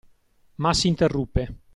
Ma s’interruppe.